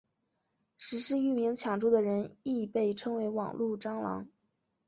实施域名抢注的人亦被称为网路蟑螂。